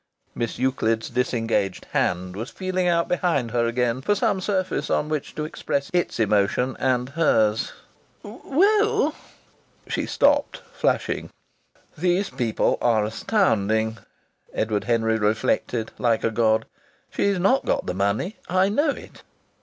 Miss Euclid's disengaged hand was feeling out behind her again for some surface upon which to express its emotion and hers. "Well " she stopped, flushing. ("These people are astounding," Edward Henry reflected, like a god. "She's not got the money. I knew it!")